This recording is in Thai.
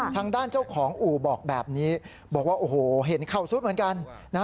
ทางด้านเจ้าของอู่บอกแบบนี้บอกว่าโอ้โหเห็นเข่าซุดเหมือนกัน